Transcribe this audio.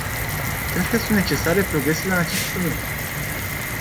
Cred că sunt necesare progrese în acest domeniu.